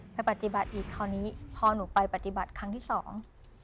ไปปฏิบัติอีกคราวนี้พอหนูไปปฏิบัติครั้งที่สอง